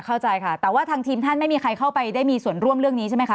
เข้าใจค่ะแต่ว่าทางทีมท่านไม่มีใครเข้าไปได้มีส่วนร่วมเรื่องนี้ใช่ไหมคะ